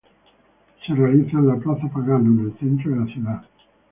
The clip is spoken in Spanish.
Se realiza en la "Plaza Pagano", en el centro de la ciudad.